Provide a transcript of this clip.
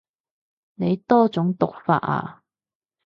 你多種讀法啊